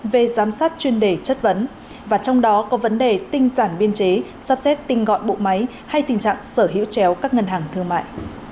về giám sát chuyên đề chất vấn và trong đó có vấn đề tinh giản biên chế sắp xếp tinh gọn bộ máy hay tình trạng sở hữu chéo các ngân hàng thương mại